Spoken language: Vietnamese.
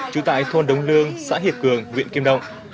trú tại thôn đống lương xã hiệp cường huyện kim động